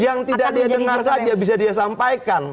yang tidak dia dengar saja bisa dia sampaikan